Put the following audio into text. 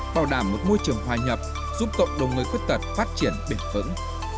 bảo đảm một môi trường hòa nhập giúp cộng đồng người khuyết tật phát triển bền vững